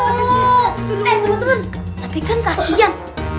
eh temen temen tapi kan kasihan